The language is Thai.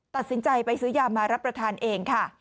ตัดสินใจไปซื้อยามารับประทานเองค่ะ